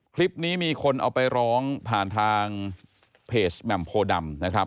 คลิปนี้มีคนเอาไปร้องผ่านทางเพจแหม่มโพดำนะครับ